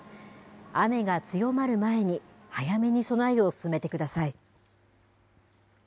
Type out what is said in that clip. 雨が強まる前に早めに備えを進めてください。